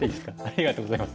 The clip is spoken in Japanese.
ありがとうございます。